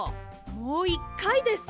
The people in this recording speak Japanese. もう１かいです！